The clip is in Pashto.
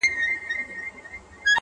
نه یې حال نه یې راتلونکی معلومېږي-